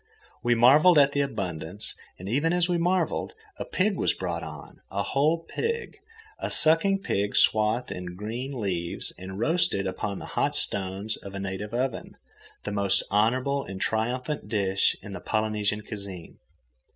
We marvelled at the abundance, and, even as we marvelled, a pig was brought on, a whole pig, a sucking pig, swathed in green leaves and roasted upon the hot stones of a native oven, the most honourable and triumphant dish in the Polynesian cuisine.